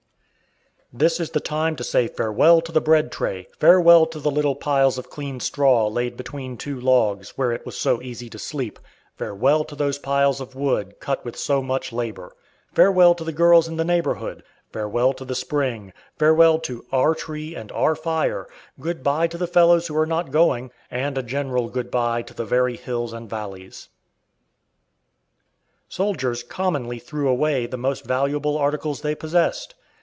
This is the time to say farewell to the breadtray, farewell to the little piles of clean straw laid between two logs, where it was so easy to sleep; farewell to those piles of wood, cut with so much labor; farewell to the girls in the neighborhood; farewell to the spring, farewell to "our tree" and "our fire," good by to the fellows who are not going, and a general good by to the very hills and valleys. Soldiers commonly threw away the most valuable articles they possessed.